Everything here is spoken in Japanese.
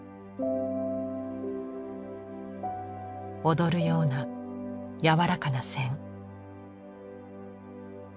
踊るような柔らかな線。